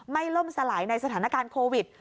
ไม่เริ่มสลายในสถานการณ์โควิด